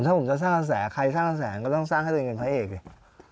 ถ้าผมจะสร้างกระแสใครสร้างกระแสก็ต้องสร้างให้ตัวเองเป็นพระเอกดิ